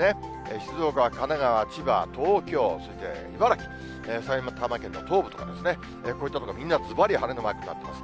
静岡、神奈川、千葉、東京、そして茨城、埼玉県の東部とかですね、こういった所、みんなずばり晴れのマークになってます。